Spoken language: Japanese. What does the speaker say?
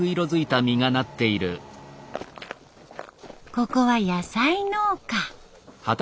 ここは野菜農家。